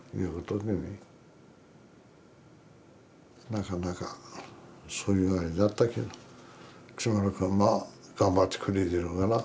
なかなかそういうあれだったけど木村君はまあ頑張ってくれてるから。